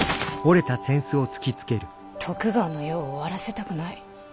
徳川の世を終わらせたくない。